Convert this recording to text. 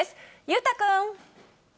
裕太君。